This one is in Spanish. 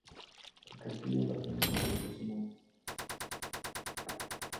La capilla la terminó su hijo Simón.